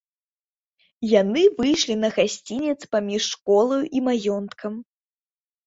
Яны выйшлі на гасцінец паміж школаю і маёнткам.